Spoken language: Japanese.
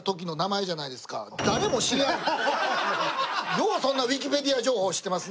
ようそんなウィキペディア情報知ってますね。